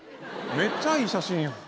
めっちゃいい写真やん。